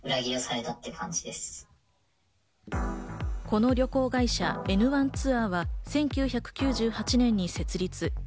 この旅行会社・エヌワンツワーは、１９９８年に設立。